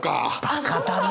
バカだな！